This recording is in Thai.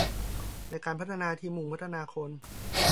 ในการพัฒนาที่มุ่งพัฒนาคน